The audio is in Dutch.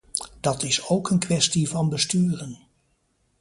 Dat is ook een kwestie van besturen.